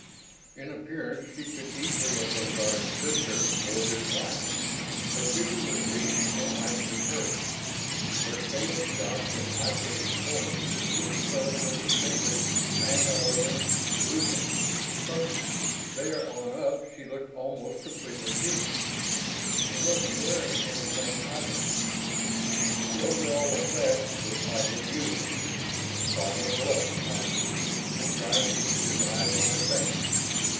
In appearance, she could easily have been Garf's sister or his wife. Her figure was lithe and nicely curved. Her scales stopped in eye catching points just above her distinctly mammalian bosom; from there on up she looked almost completely human. She wasn't wearing anything either. The over all effect was oddly beautiful. Farmer blushed hotly, and tried to keep his eyes on her face.